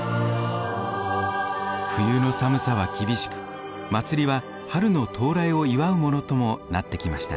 冬の寒さは厳しく祭りは春の到来を祝うものともなってきました。